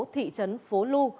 thị trấn phố lu